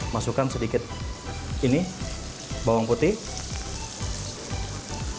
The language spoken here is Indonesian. masukkan sedikit ini bawang putih